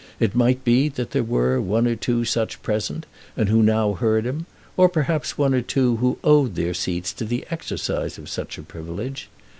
It might be that there were one or two such present, and who now heard him, or, perhaps, one or two who owed their seats to the exercise of such a privilege.